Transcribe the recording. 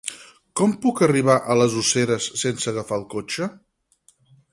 Com puc arribar a les Useres sense agafar el cotxe?